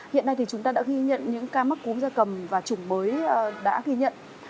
hiện nay thì chúng ta đã ghi nhận những ca mắc cúm da cầm và chủng mới đã ghi nhận